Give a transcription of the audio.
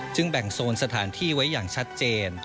แบ่งโซนสถานที่ไว้อย่างชัดเจน